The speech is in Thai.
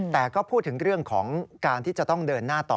แต่ก็พูดถึงเรื่องของการที่จะต้องเดินหน้าต่อ